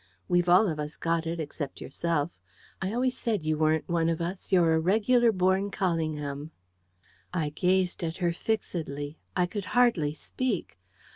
We've all of us got it except yourself. I always said you weren't one of us. You're a regular born Callingham." I gazed at her fixedly. I could hardly speak.